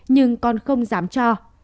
nhưng con không dám cho